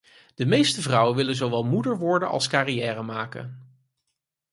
De meeste vrouwen willen zowel moeder worden als carrière maken.